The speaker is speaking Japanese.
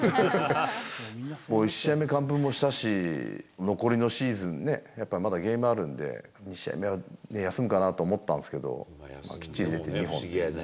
もう１試合目完封もしたし、残りのシーズンね、やっぱまだゲームあるんで、２試合目はね、休むかなと思ったんですけど、きっちり出て２本。